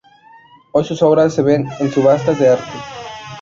Hoy sus obras se ven en subastas de arte.